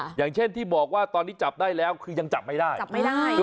อย่างเช่นที่บอกว่าตอนนี้จับได้แล้วคือยังจับไม่ได้จับไม่ได้